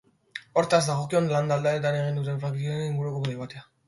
Hortaz, dagokion lantaldean egingo dute frackingaren inguruko debatea.